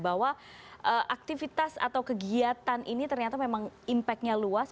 bahwa aktivitas atau kegiatan ini ternyata memang impactnya luas